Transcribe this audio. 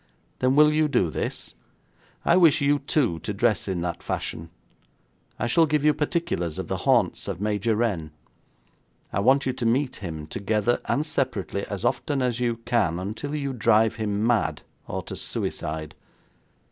'Then will you do this? I wish you two to dress in that fashion. I shall give you particulars of the haunts of Major Renn. I want you to meet him together and separately, as often as you can, until you drive him mad or to suicide.